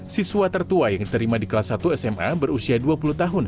siswa tertua yang diterima di kelas satu sma berusia dua puluh tahun